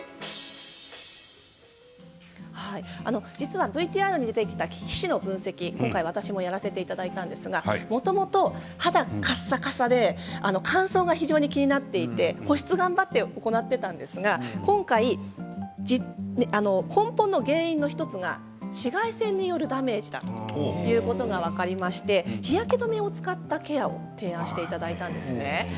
実はＶＴＲに出てきた皮脂の分析、今回私もやらせていただいたんですがもともと肌がかさかさで乾燥が非常に気になっていて保湿を頑張っていたんですが今回、根本の原因の１つが紫外線によるダメージだということが分かりまして日焼け止めを使ったケアを提案していただいたんです。